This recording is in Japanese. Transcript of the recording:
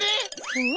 うん？